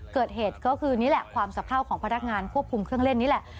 เกิดเหตุก็คือนี่แหละความสะเพราของพนักงานควบคุมเครื่องเล่นนี่แหละ